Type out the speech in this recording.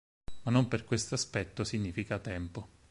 Ma non per questo aspetto significa tempo.